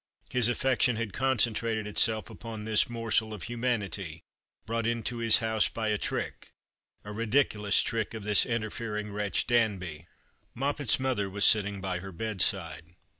His affection had concentrated itself upon this morsel of humanity, brought into his house by a trick — a ridiculous trick of this interfering wretch Danby, Moppet's mother was sitting by her bedside.